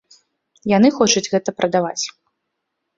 Яны хочуць гэта прадаваць.